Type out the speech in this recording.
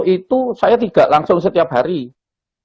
itu saya tidak langsung setiap hari